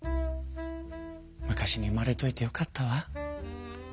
昔に生まれといてよかったわ。